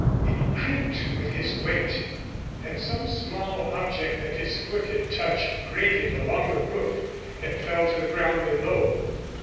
It creaked with his weight, and some small object that his foot had touched grated along the roof and fell to the ground below.